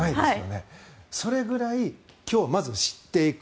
それくらい今日、まず知っていく。